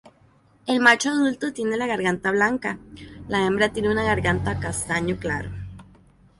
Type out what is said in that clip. El macho adulto tiene la garganta blanca; la hembra tiene una garganta castaño claro.